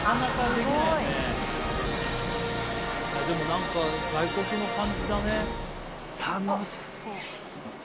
何か外国の感じだね。